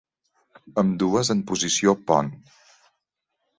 Ambdues en posició pont.